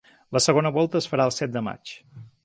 La segona volta es farà el set de maig.